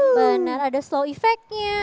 benar ada slow effectnya